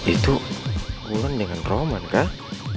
itu bulan dengan roman kah